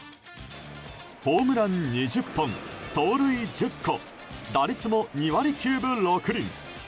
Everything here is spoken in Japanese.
ホームラン２０本、盗塁１０個打率も２割９分６厘。